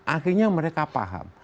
akhirnya mereka paham